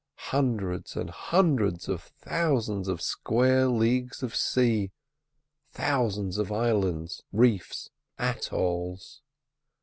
Hundreds and hundreds of thousands of square leagues of sea, thousands of islands, reefs, atolls.